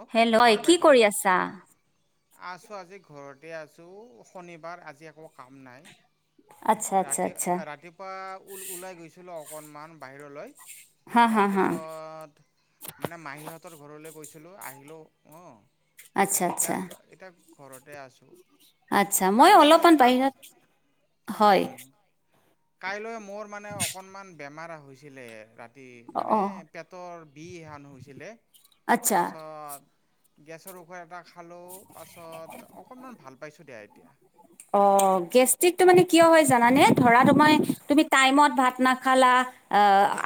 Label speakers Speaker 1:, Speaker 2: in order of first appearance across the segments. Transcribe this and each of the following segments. Speaker 1: অ' হয় বাইদেউ কি কৰি আছা আছো আজি ঘৰতে আছো শনিবাৰ আজি একো কাম নাই
Speaker 2: আচ্ছা আচ্ছা
Speaker 1: ৰাতি
Speaker 2: আচ্ছা
Speaker 1: ৰাতি পুৱা ওলাই গৈছিলোঁ অকণমান বাহিৰলৈ,
Speaker 2: হা হা হা
Speaker 1: তাৰপিছত মানে মাহীহ'তৰ ঘৰলৈ গৈছিলোঁ, আহিলোঁ অ',
Speaker 2: আচ্ছা
Speaker 1: আহি
Speaker 2: আচ্ছা
Speaker 1: এতিয়া এতিয়া ঘৰতে আছোঁ।
Speaker 2: আচ্ছা মই
Speaker 1: কাইলৈ
Speaker 2: অলপমান
Speaker 1: কা
Speaker 2: বাহিৰত হয়
Speaker 1: হুম। কাইলৈ মোৰ মানে অকণমান বেমাৰ হৈছিলে ৰাতি
Speaker 2: অ
Speaker 1: মানে
Speaker 2: অ
Speaker 1: পেটৰ বিষ হেন হৈছিলে,
Speaker 2: আচ্ছা
Speaker 1: তাৰপাছত গেছৰ ঔষধ এটা খালোঁ, পাছত অকণমান ভাল পাইছোঁ দিয়া এতিয়া।
Speaker 2: অ', গেষ্টিকো মানে কিয় হয় জানানে? ধৰা তোমৰ তুমি টাইমত ভাত নাখালা আ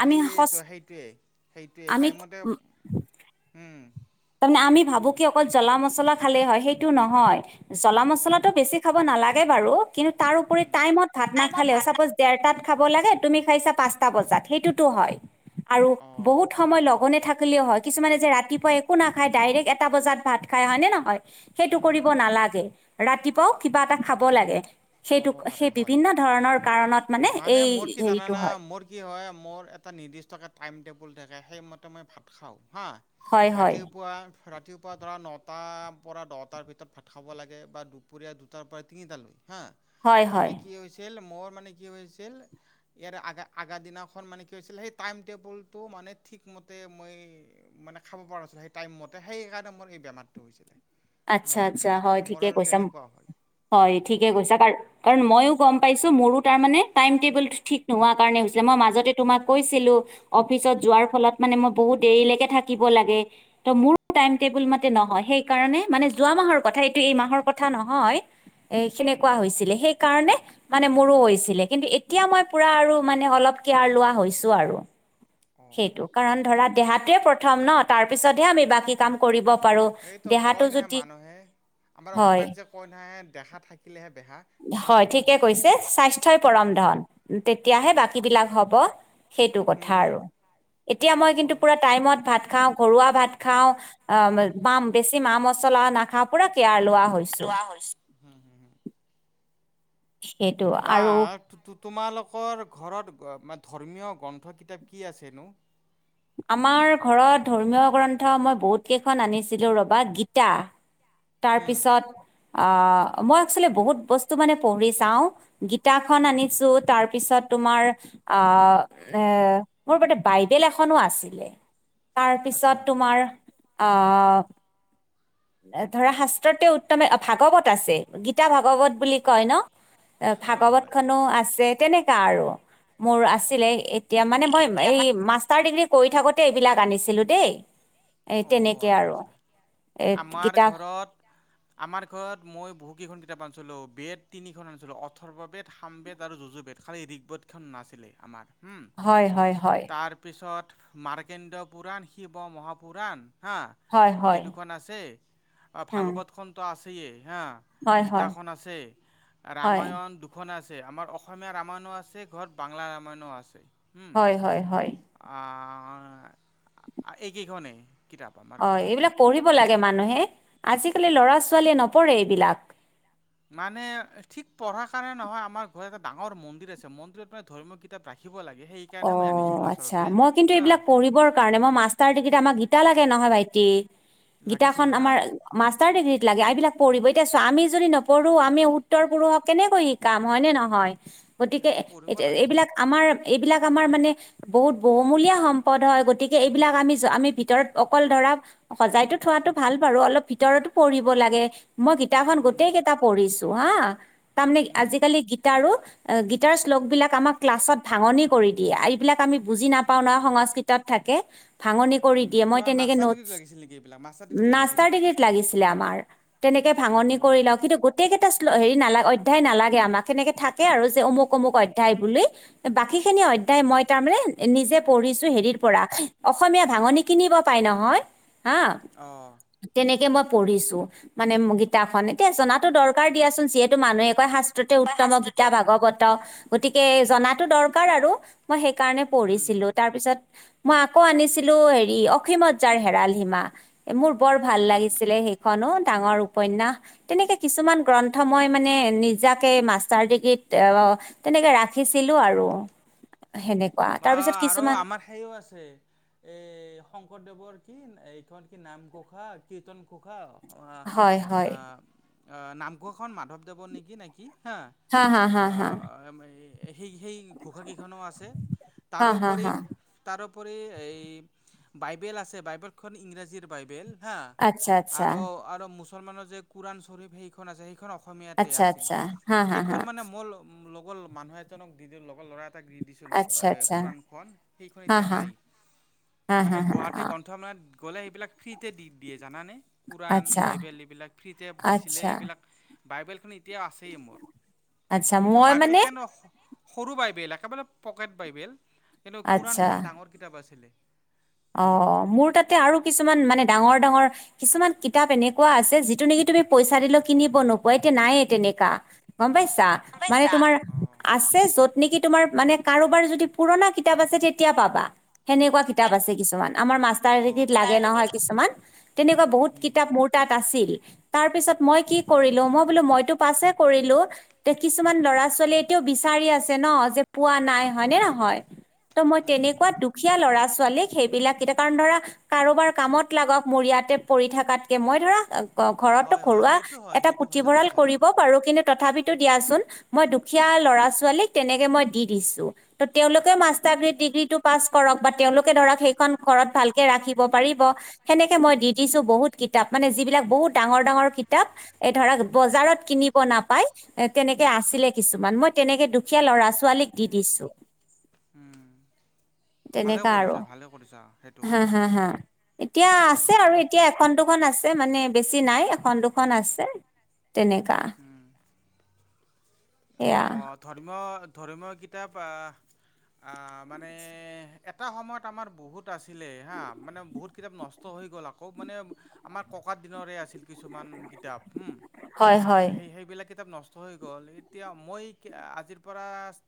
Speaker 2: আমি সঁচ
Speaker 1: সেইটোৱেই সেইটোৱেই টাইমতে
Speaker 2: তাৰমানে আমি ভাবো যে কি অকল জ্বলা মছলা খালেই হয়, সেইটো নহয়। জ্বলা মছলাটো বেছি খাব নালাগে বাৰু, কিন্তু তাৰপৰি
Speaker 1: উম
Speaker 2: টাইমত ভাত নাখালেও চাপ'জ দেৰটাত খাব লাগে, তুমি খাইছা পাঁচটা বজাত সেইটোতো হয়। আৰু
Speaker 1: অ
Speaker 2: বহুত সময় লঘোনে থাকিলেও হয়। কিছুমানে যে ৰাতিপুৱা একো নাখায় ডাইৰেক্ট এটা বজাত ভাত খাই হয়নে নহয়? সেইটো
Speaker 1: উম উম
Speaker 2: কৰিব
Speaker 1: উম
Speaker 2: নালাগে। ৰাতিপুৱাও কিবা এটা খাব লাগে, সেইটো
Speaker 1: হ'ব পাৰে
Speaker 2: সেই
Speaker 1: হয়
Speaker 2: বিভিন্ন ধৰণৰ কাৰণত
Speaker 1: মানে
Speaker 2: এই
Speaker 1: মোৰ কি
Speaker 2: হেৰিটো
Speaker 1: জানানে
Speaker 2: হয়
Speaker 1: মোৰ কি হয়, মোৰ এটা নিৰ্দিষ্টকে টাইম টেবুল থাকে, সেইমতে মই ভাত খাওঁ
Speaker 2: হয়
Speaker 1: হাঁ।
Speaker 2: হয়
Speaker 1: ৰাতিপুৱা ৰাতি ধৰা নটাৰ পৰা দহটাৰ ভিতৰত ভাত খাব লাগে, বা দুপৰীয়া দুটাৰ পৰা তিনিটালৈ হা
Speaker 2: হয় হয়
Speaker 1: মানে কি হৈছিল মোৰ মানে কি হৈছিল ইয়াৰে আগা আগাৰ দিনাখন মানে কি হৈছিলে, সেই টাইম টেবুলটো মানে ঠিকমতে মই মানে খাব পৰা নাছিলো সেই টাইমতে। সেইকাৰণে মোৰ এই বেমাৰটো হৈছিলে। হা
Speaker 2: আচ্ছা, আচ্ছা হয়
Speaker 1: মোৰ
Speaker 2: ঠিকে
Speaker 1: আৰু
Speaker 2: কৈছা
Speaker 1: তেনেকুৱা হ'ল
Speaker 2: হয় ঠিকে কৈছা। কাৰ কাৰণ মইও গ'ম পাইছো মোৰো তাৰ মানে টাইম টেবুলটো ঠিক নোহোৱা কাৰণে হৈছিলে, মই মাজতে তোমাক কৈছিলো। অফিচত যোৱাৰ ফলত মানে মইও বহুত দেৰিলৈকে থাকিব লাগে। ত' মোৰ টাইম টেবুল মাতে নহয়। সেইকাৰণে মানে যোৱা মাহৰ কথা এইটো, এই মাহৰ কথা নহয়, এ' সেনেকোৱা হৈছিলে। সেই কাৰণে মানে মোৰো হৈছিলে, কিন্তু এতিয়া মই পুৰা আৰু মানে অলপ কেয়াৰ লোৱা হৈছো আৰু।
Speaker 1: অঁ
Speaker 2: সেইটো কাৰণ ধৰা দেহাতোৱে প্ৰথম ন? তাৰ পিছতহে আমি বাকী কাম কৰিব পাৰো।
Speaker 1: সেইটো কয়
Speaker 2: দেহাটো
Speaker 1: নহয়
Speaker 2: যদি
Speaker 1: মানুহে আমাৰ
Speaker 2: হয়,
Speaker 1: অসমীয়াত যে কয় নহয় দেখা থাকিলেহে বেহা তেনেকৈ
Speaker 2: হয়
Speaker 1: কয়
Speaker 2: ঠিকে
Speaker 1: যে
Speaker 2: কৈছে, স্বাস্থ্যই পৰম ধন। তেতিয়াহে
Speaker 1: হয় হয়
Speaker 2: বাকী বিলাক হ'ব সেইটো
Speaker 1: হুম
Speaker 2: কথা
Speaker 1: হুম
Speaker 2: আৰু এতিয়া মই কিন্তু
Speaker 1: হয়
Speaker 2: পুৰা টাইমত ভাত খাওঁ, ঘৰুৱা ভাত খাও অ' বা ম বেছি মা মছলা নাখাওঁ পুৰা কেয়াৰ লোৱা হৈ
Speaker 1: লোৱা হৈছো। হুম হুম
Speaker 2: সেইটো
Speaker 1: বা
Speaker 2: আৰু
Speaker 1: তোমালোকৰ ঘৰত ধৰ্মীয় গ্ৰন্থ কিতাপ কি আছেনো?
Speaker 2: আমাৰ ঘৰত ধৰ্মীয় গ্ৰন্থ মই বহুত কেইখন আনিছিলো ৰ'বা, গীতা। তাৰ
Speaker 1: উম।
Speaker 2: পিছত আহ মই এক্সুয়েলী বহুত বস্তু মানে পঢ়ি চাওঁ গীতাখন আনিছো, তাৰপিছত তোমাৰ অ', এ মোৰ বাৰুটে বাইবেল এখ খনো আছিলে, তাৰপিছত
Speaker 1: আচ্ছা।
Speaker 2: তোমাৰ আহ ধৰা শাস্ত্ৰত উত্তমে অ' ভাগৱত আছে। গীতা ভাগৱত বুলি কয় ন,
Speaker 1: হয় হয়
Speaker 2: ভাগৱত খনো আছে। তেনেকে আৰু মোৰ আছিলে এতিয়া মানে মই এই মাষ্টাৰ ডিগ্ৰী কৰি থাকোতে এইবিলাক আনিছিলো দেই, এ
Speaker 1: অ'
Speaker 2: তেনেকে
Speaker 1: আচ্ছা
Speaker 2: আৰু।
Speaker 1: আচ্ছা
Speaker 2: এ
Speaker 1: আমাৰ
Speaker 2: গীতা
Speaker 1: ঘৰত আমাৰ ঘৰত মই বহুকেইখন কিতাপ আনিছিলো বি এড তিনিখন আনিছিলো অথৰ্ব বেদ, সাম বেদ আৰু যুজু বেদ। খালি ঋগবদখন নাছিলে আমাৰ হুম।
Speaker 2: হয় হয় হয়।
Speaker 1: তাৰপিছত মাৰ্কেন্দ্ৰ পুৰাণ, শিৱ মহাপুৰাণ। হা,
Speaker 2: হয় হয়
Speaker 1: এইটোখন আছে
Speaker 2: উম
Speaker 1: ভাগৱতখনতো আছেইে হা।
Speaker 2: হয় হয়
Speaker 1: গিটাখন আছে
Speaker 2: হয়
Speaker 1: ৰামায়ণ দু খন আছে আমাৰ অসমীয়া ৰামায়ণো আছে ঘৰত বাংলা ৰামায়ণো আছে।
Speaker 2: হয় হয় হয়।
Speaker 1: আহ, এইকেইখনে।
Speaker 2: অ এইবিলাক পঢ়িব লাগে মানুহে আজিকালি ল'ৰা-ছোৱালীয়ে নপঢ়ে এইবিলাক।
Speaker 1: মানে ঠিক পঢ়াৰ কাৰণে নহয় আমাৰ ঘৰত এটা ডাঙৰ মন্দিৰ আছে মন্দিৰত মানে ধৰ্মীয় কিতাপ ৰাখিব লাগে সেই
Speaker 2: অ আচ্ছা মই কিন্তু এইবিলাক কৰিবৰ কাৰণে মই মাষ্টাৰ ডিগ্ৰী আমাক গীতা লাগে নহয় ভাইটি।
Speaker 1: লাগিছিল
Speaker 2: গীতাখন
Speaker 1: না,
Speaker 2: আমাৰ মাষ্টাৰ ডিগ্ৰীত লাগে, এইবিলাক পঢ়িব এতিয়া সা আমি যদি নপঢ়ো আমি উত্তৰ পুৰুষক কেনেকৈ কাম হয় নে নহয় গতিকে
Speaker 1: সেইটো পঢ়িব লাগে।
Speaker 2: এইবিলাক আমাৰ এইবিলাক কামাৰ আমাৰ মনে বহুত বহুমূলীয়া সম্পদ হয় গতিকে এইবিলাক আমি আমি ভিতৰত অকল ধৰা সজাইতো থোৱাতো ভাল বাৰু অলপ ভিতৰতো পৰিব লাগে। মই কিত গীতাখন গোতেই
Speaker 1: উম,
Speaker 2: কেতা পঢ়িছো হা, তাৰমানে
Speaker 1: উম।
Speaker 2: আজিকালি গীত তাৰো গীতাৰ শ্লোকবিলাক আমাৰ ক্লাছত ভাঙনি কৰি দিয়ে এইবিলাক আমি বুজি নাপাওঁ ন সংস্কৃতত থাকে। ভাঙনি কৰি
Speaker 1: উম,
Speaker 2: দিয়ে, মই
Speaker 1: তোমাৰ
Speaker 2: তেনেকে
Speaker 1: মাষ্টাৰ
Speaker 2: নোটছ,
Speaker 1: ডিগ্ৰীত লাগিছিল নেকি এইবিলাক মাষ্টাৰ ডিগ্ৰীত লাগিছিল?
Speaker 2: মাষ্টাৰ ডিগ্ৰীত লাগিছিলে আমাৰ, তেনেকে ভাঙনি কৰি
Speaker 1: অ'
Speaker 2: লওঁ কিন্তু গোটেই কেইটা শ্ল হেৰি নালাগে অত ধেই নালাগে আমাক সেনেকে থাকে আৰু যে অমুক অমুক অধ্যায় বুলি বাক কেনে অধ্যায় মই
Speaker 1: উম,
Speaker 2: তাৰমানে নিজে পঢ়িছো হেৰিৰ পৰা অসমীয়া ভাঙনি কিনিব পাই নহয়, হা।
Speaker 1: অ।
Speaker 2: তেনেকে মই পঢ়িছো। মানে গীতাখন, এতিয়া জনাটো দৰকাৰ দিয়াচোন যিহেতু মানুহে কয় শাস্ত তে উত্তম গীতা ভাগৱত গতিকে জনাতো দৰকাৰ আৰু। মই সেইকাৰণে
Speaker 1: হুম,
Speaker 2: পঢ়িছিলো
Speaker 1: হুম,
Speaker 2: তাৰ পিছত মই আকৌ আনিছিলো হেৰি অসীমত যাৰ হেৰাল সীমা। মোৰ বৰ ভাল
Speaker 1: উম, হুম।
Speaker 2: লাগিছিলে সেইখনো ডাঙৰ উপন্যাস তেনেকে কিছুমান গ্ৰন্থ মই মানে নিজাকে মাষ্টাৰ ডিগ্ৰীত তেনেকে ৰাখিছিলো আৰু। সেনেক
Speaker 1: বা আৰু আমাৰ সেইও আছে। এই শংকৰদেৱৰ কি এইখন কি নামঘোষা, কীৰ্তন ঘোষা। আহ
Speaker 2: হয় হয়
Speaker 1: আ আ নামঘৰখন মাধৱদেৱৰ নেকি নেকি হা।
Speaker 2: হা হা হা
Speaker 1: আহ আমায়ে সেই সেই ঘোষা কেইখনো আছে।
Speaker 2: হা হা
Speaker 1: তাৰোপৰি
Speaker 2: হা
Speaker 1: তাৰোপৰি এই বাইবেলখন আছে বাইবেলখন ইংৰাজীৰ বাইবেল। হা
Speaker 2: আচ্ছা আচ্ছা
Speaker 1: আৰু আৰু মুছলমানৰ যে কুৰান শ্বৰীফ সেইখন আছে সেইখন অস অসমীয়াতেই আছিল, সেইখন মানে ম'ল- লগৰ মানুহ এজনক দি দিলোঁ লগৰ ল'ৰা এটাক দি দিছিলোঁ। অ এ কুৰাণখন সেইখন এতিয়া নাই, মানে গুৱাহাটী ক্ৰন্ঠমেলত- গলে এইবিলাক ফ্ৰীতে দি দিয়ে জানা নে? পুৰাণ
Speaker 2: আচ্ছা
Speaker 1: বাইবেল এইবিলাক ফ্ৰীতে দিছিলে
Speaker 2: আচ্ছা
Speaker 1: এইবিলাক। বাইবেলখন এতিয়াও আছেই মোৰ।
Speaker 2: আচ্ছা
Speaker 1: কিন্তু
Speaker 2: মই
Speaker 1: বাইবেল
Speaker 2: মানে
Speaker 1: খেন- সৰু বাইবেল একেবাৰে পকেট বাইবেল, কিন্তু পুৰাণখন ডাঙৰ কিতাপ আছিলে। উম
Speaker 2: অঁ' মোৰ তাত- তে আৰু কিছুমান মানে ডাঙৰ ডাঙৰ কিছুমান কিতাপ এনেকুৱা আছে যিটো নেকি তুমি- পইচা দিলেও কিনিব নোপোৱা এতিয়া নায়ে তেনেকা, গম পাইছা? মানে তোমাৰ
Speaker 1: অঁ
Speaker 2: আছে য'ত- নিকি তোমাৰ মানে কাৰোবাৰ যদি পুৰণা কিতাপ আছে তেতিয়া পাবা সেনেকুৱা কিতাপ আছে- কিছুমান। আমাৰ মাষ্টাৰ ডিগ্ৰীত লাগে নহয়
Speaker 1: অঁ
Speaker 2: কিছুমান তেনেকুৱা বহুত
Speaker 1: উম
Speaker 2: কিতাপ মোৰ- তাত আছিল, তাৰ পিছত মই কি কৰিলো মই বোলো মইতো পাছে কৰিলো- তে কিছুমান ল'ৰা ছোৱালীয়ে এতিয়াও বিচাৰি আছে ন' যে পোৱা নাই হয়নে নহয়? ত মই
Speaker 1: উম
Speaker 2: তেনেকুৱা দুখীয়া ল'ৰা ছোৱালীক- সেইবিলাক কেইটা কাৰণ ধৰা কাৰোবাৰ কামত লাগক মোৰ ইয়াতে পৰি থকাতকে, মই ধৰা- ঘ ঘৰতো
Speaker 1: হয় হয়
Speaker 2: ঘৰুৱা
Speaker 1: সেইটো হয়
Speaker 2: এটা
Speaker 1: সেইটো ভালে
Speaker 2: পুথিভঁৰাল
Speaker 1: কৰিছা তুমি
Speaker 2: কৰিব- পাৰো, কিন্তু তথাপিতো দিয়াচোন মই দুখীয়া ল'ৰা ছোৱালীক তেনেকে মই দি দিছোঁ। ত তেওঁলোকেও মাষ্টাৰ ডিগ্ৰী টো পাছ কৰক বা তেওঁলোকে ধৰক- সেইখন ঘৰত ভালকে ৰাখিব পাৰিব- সেনেকে মই দি দিছোঁ বহুত কিতাপ মানে যিবিলাক বহুত ডাঙৰ ডাঙৰ কিতাপ। এ ধৰা বজাৰত কিনিব নাপাই এ তেনেকে আছিলে কিছুমান। মই- তেনেকে দুখীয়া ল'ৰা ছোৱালীক দি দিছোঁ।
Speaker 1: উম, ভালে কৰিছা ভালে কৰিছা। সেইটো
Speaker 2: হাঁ
Speaker 1: কৰাই
Speaker 2: হাঁ হাঁ এতিয়া আছে আৰু এতিয়া এখন দুখন আছে মানে বেছি নাই- এখন দুখন আছে, তেনেকা।
Speaker 1: উম
Speaker 2: সেয়া
Speaker 1: অঁ' ধৰ্মীয় ধৰ্মীয় কিতাপ অ- আ মানে এটা সময়ত আমাৰ বহুত আছিলে হাঁ, মানে বহুত কিতাপ নচ- ষ্ট হৈ গ'ল আক, মানে আমাৰ ককা দিনৰে আছিল কিছুমান কিতাপ হুম'
Speaker 2: হয়
Speaker 1: ত-
Speaker 2: হয়
Speaker 1: এ সেই সেইবিলাক কিতাপ নষ্ট হৈ গ'ল, সেইট- তিয়া মই আজিৰ পৰা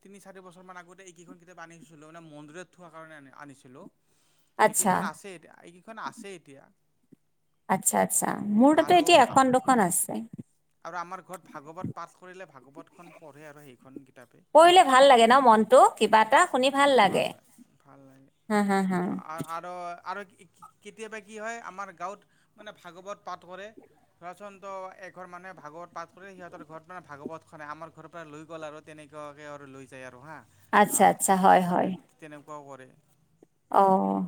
Speaker 1: তিনি চাৰি বছৰ মান আগতে এইকেইখন কিতাপ আনিছিলোঁ, মানে মন্দিৰত- থোৱা কাৰণে আনি আনিছিলোঁ।
Speaker 2: [inaudible]
Speaker 1: এইকেইখন আছে এতিয়া এইকেইখন আছে এতিয়া।
Speaker 2: আৎচ্ছা আৎচ্ছা, মোৰ তাতো
Speaker 1: আৰু
Speaker 2: এতিয়া এখন দুখন আছে।
Speaker 1: আৰু আমাৰ ঘৰত ভাগৱত পাঠ কৰিলে ভাগৱতখন পঢ়ে আৰু সেইখন কিতাপে।
Speaker 2: পঢ়িলে ভাল লাগে ন' মনটো কিবা এটা শুনি ভাল লাগে। হা হা হা
Speaker 1: আ আ আৰু আৰু কি কি- কেতিয়াবা কি হয়? আমাৰ গাঁৱত মানে ভাগৱত পাঠ কৰে। ধৰাচন্দ্ৰ এক- এঘৰ মানুহে ভাগৱত পাঠ কৰি সিহঁতৰ ঘৰত মানে ভাগৱত খনে আমাৰ ঘৰ পৰা লৈ গ'ল আৰু তেনেকুৱাকে আৰু লৈ যায় আৰু হাঁ।
Speaker 2: আচ্ছা আচ্ছা হয় হয়
Speaker 1: হাঁ তেনেকুৱাও কৰে।
Speaker 2: অ'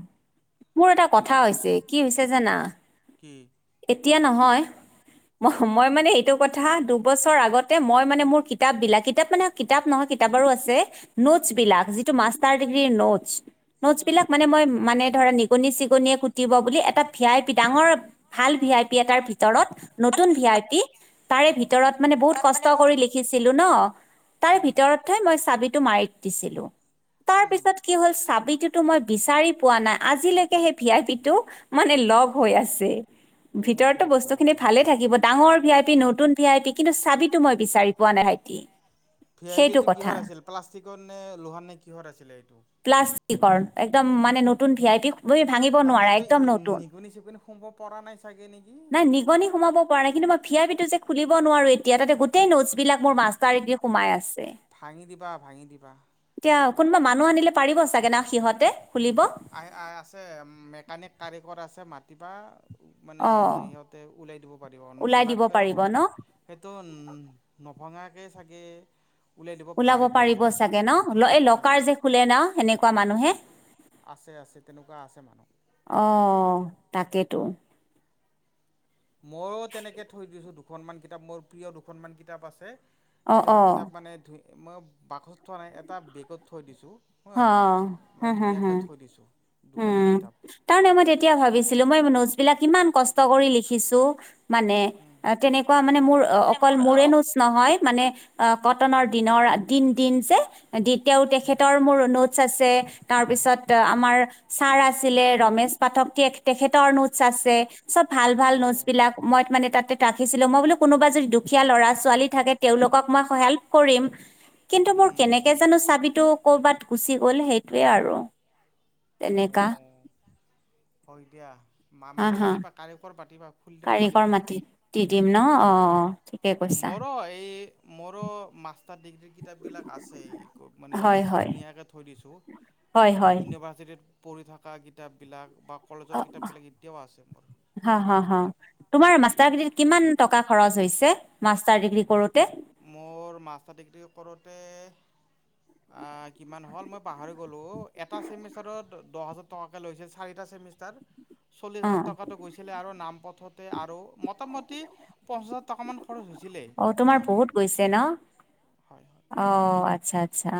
Speaker 2: মোৰ এটা কথা
Speaker 1: আমাৰ
Speaker 2: হৈছে, কি হৈছে জানা?
Speaker 1: কি
Speaker 2: এতিয়া নহয়, মহ মই মানে এইটো কথা দুবছৰ আগতে মই মানে মোৰ কি- কিতাপ বিলাক, কিতাপ মানে কিতাপ নহয় কিতাপ আৰু আছে, নোটছ
Speaker 1: উম
Speaker 2: বিলাক যিটো মাষ্টাৰ ডিগ্ৰ্ৰী নোটছ, - নোটছ বিলাক মানে মই মানে ধৰা নিগনি চিগনিয়ে কুটিব বুলি এটা ভি আই পি ডাঙৰ ভাল ভি আই পি এটাৰ ভিতৰত নতুন ভি আই পি তাৰে ভিতৰত মানে বহুত কষ্ট কৰি লিখিছিলোঁ ন' তাৰ
Speaker 1: উম
Speaker 2: ভিতৰত ভিতৰত থৈ মই চাবি টো মাৰি দিছিলোঁ তাৰ
Speaker 1: উম
Speaker 2: পিছত কি হল চাবিটো তো মই বিচাৰি পোৱা নাই আজিলৈকে সেই ভি আই পি টো মানে লক হৈ আছে।
Speaker 1: অ
Speaker 2: ভিতৰতো
Speaker 1: হ হ
Speaker 2: বস্তুখিনি ভালে থাকিব ডাঙৰ ভি আই পি নতুন ভি আই পি কিন্তু চাবিতো মই বিচাৰি পোৱা নাই
Speaker 1: ভি আই পি
Speaker 2: সেইটো
Speaker 1: টো
Speaker 2: কথা
Speaker 1: কিহৰ আছিল প্লাষ্টিকত নে লোহাৰ নে কিহৰ আছিলে
Speaker 2: প্লাষ্টিকৰ একদম মানে নতুন ভি আই পি তুমি ভাঙিব নোৱাৰা
Speaker 1: তাতেতো
Speaker 2: একদম নতুন
Speaker 1: নিগনি চিগনি সোমাব পৰা নাই চাগে নেকি
Speaker 2: নাই নিগনি সোমাব পৰা নাই কিন্তু মই ভি আই পি খুলিব নোৱাৰো এতিয়া তাতে গোটেই নোটছ বিলাক মোৰ মাষ্টাৰ ডিগ্ৰী সোমাই আছে
Speaker 1: ভাঙি দিবা ভাঙি দিবা
Speaker 2: এতিয়া কোনোবা মানুহ আনিলে পাৰিব চাগে ন সিহঁতে খুলিব
Speaker 1: আ আছে মেকানিক কাৰিকৰ আছে মাতিবা মানে
Speaker 2: অ
Speaker 1: সিহঁতে ওলাই দিব পাৰিব
Speaker 2: ওলাই দিব
Speaker 1: নভঙাকৈও
Speaker 2: পাৰিব ন
Speaker 1: সেইটো নভঙাকে চাগে উলিয়াই দিব
Speaker 2: ওলাব পাৰিব
Speaker 1: মোৰ এটা
Speaker 2: চাগে ন
Speaker 1: আইডিয়া
Speaker 2: এই
Speaker 1: হয়
Speaker 2: লকাৰ
Speaker 1: হয়
Speaker 2: যে খোলে ন সেনেকুৱা মানুহে
Speaker 1: আছে আছে তেনেকুৱা আছে মানুহ
Speaker 2: অ তাকেতো
Speaker 1: মই তেনেকে থৈ দিছো দুখনমান কিতাপ মোৰ প্ৰিয় দুখন মান কিতাপ আছে
Speaker 2: অ
Speaker 1: সেই দুখন
Speaker 2: অ
Speaker 1: কিতাপ মানে ধুই মই বাকছত থোৱা নাই এটা বেগত থৈ দিছোঁ
Speaker 2: অ
Speaker 1: কোৱা
Speaker 2: হা
Speaker 1: মই
Speaker 2: হা হা
Speaker 1: ধুনীয়াকে থৈ দিছোঁ দুখন
Speaker 2: উম
Speaker 1: কিতাপ
Speaker 2: তাৰমানে মই তেতিয়া ভাবিছিলো মই নোটচবিলাক ইমান কষ্ট কৰি লিখিছো মানে অ তেনেকুৱা মানে মোৰ অকল মোৰে নোটচ নহয় মানে অ কটনৰ দিনৰ দিন দিন যে তেওঁৰ তেখেতৰ মোৰ অনুধ আছে তাৰ পিছত আমাৰ ছাৰ আছিলে ৰমেশ পাঠক ত তেখেতৰ
Speaker 1: কে
Speaker 2: নোটছ আছে চব ভাল ভাল নোটছ
Speaker 1: অ'।
Speaker 2: বিলাক মই মানে তাতে ৰাখিছিলো মই বোলো কোনোবা যদি দুখীয়া ল'ৰা ছোৱালী থাকে তেওঁলোকক মই হেল্প কৰিম কিন্তু মোৰ কেনেকে
Speaker 1: উম,
Speaker 2: জানো চাবিতো কৰ'বাত গুচি গ'ল সেইটোয়ে আৰু তেনেকা
Speaker 1: অ হয় দিয়া মা
Speaker 2: হা
Speaker 1: মানুহ
Speaker 2: হা
Speaker 1: মাতিবা কাৰিকৰক মাতিবা
Speaker 2: কাৰিকৰ মাতি দি দিম ন অ অ
Speaker 1: মোৰো এই মোৰো মাষ্টাৰ ডিগ্ৰীৰ কিতাপবিলাক আছেই মানে
Speaker 2: হয় হয়
Speaker 1: ধুনীয়াকে থৈ দিছোঁ
Speaker 2: হয়
Speaker 1: ভৰাই
Speaker 2: হয়
Speaker 1: এনো ফাৰ্ষ্টত পঢ়ি থকা কিতাপবিলাক বা
Speaker 2: অ
Speaker 1: কলেজৰ কিতাপবিলাক এতিয়াও আছে মোৰ
Speaker 2: হা হা
Speaker 1: এইবিলাক
Speaker 2: হা
Speaker 1: কিতাপ
Speaker 2: তোমাৰ মাষ্টাৰ ডিগ্ৰী কিমান টকা খৰচ হৈছে মাষ্টাৰ ডিগ্ৰী কৰোতে
Speaker 1: মোৰ মাষ্টাৰ ডিগ্ৰী কৰোতে
Speaker 2: [unintelligible]
Speaker 1: আ কিমান হ'ল মই পাহৰি গ'লোঁ এটা চেমিষ্টাৰত দহ হাজাৰ টকাকে লৈছিল চাৰিটা চেমিষ্টাৰ ষ্টাৰ চল্লিছ
Speaker 2: অ
Speaker 1: হাজাৰ টকাটো গৈছে ছিলে আৰু নাম পথতে আৰু মোটামুটি পঞ্চাছ হাজাৰ টকামান খৰচ হৈছিলে
Speaker 2: অ
Speaker 1: হা
Speaker 2: তোমাৰ বহুত গৈছে ন
Speaker 1: হয় হয়
Speaker 2: অ আচ্ছা আচ্ছা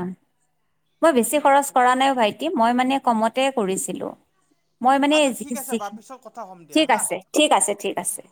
Speaker 2: মই বেছি খৰচ
Speaker 1: গৈছিলে
Speaker 2: কৰা
Speaker 1: আৰু
Speaker 2: নাই অ ভাইটি মই মানে কমতে কৰিছিলোঁ মই মানে
Speaker 1: আচ্ছা
Speaker 2: যি
Speaker 1: ঠিক আছে বাৰু পিছত কথা হ'ম দিয়া
Speaker 2: ঠিক আছে
Speaker 1: হা
Speaker 2: ঠিক আছে ঠিক আছে